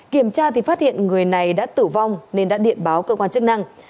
kiểm tra thì phát hiện người này đã tử vong nên đã điện báo cơ quan chức năng